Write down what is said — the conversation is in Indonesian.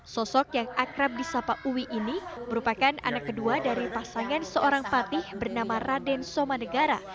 sosok yang akrab di sapa uwi ini merupakan anak kedua dari pasangan seorang patih bernama raden somanegara